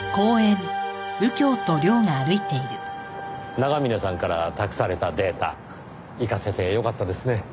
長峰さんから託されたデータ生かせてよかったですね。